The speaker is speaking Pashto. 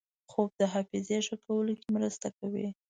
خوب د حافظې ښه کولو کې مرسته کوي